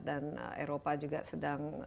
dan eropa juga sedang